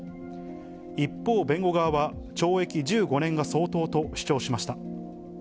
一方、弁護側は懲役１５年が相当と主張しました。